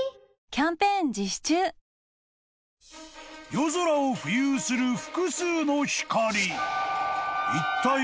［夜空を浮遊する複数の光］